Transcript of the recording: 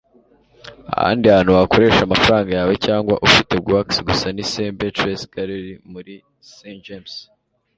Ahandi hantu wakoresha amafaranga yawe cyangwa ufite gawk gusa ni Chris Beetles Gallery () muri St James.